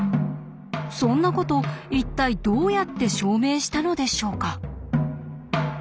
そんなこと一体どうやって証明したのでしょうか。